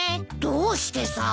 どうしてさ？